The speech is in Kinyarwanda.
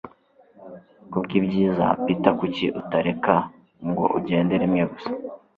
Kubwibyiza, Peter, kuki utareka ngo ugende rimwe gusa?